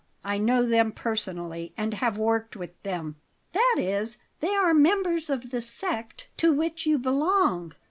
I know them personally, and have worked with them." "That is, they are members of the 'sect' to which you belong?